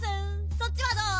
そっちはどう？